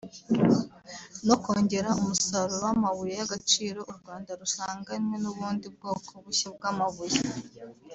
no kongera umusaruro w’amabuye y’agaciro u Rwanda rusanganywe n’ubundi bwoko bushya bw’amabuye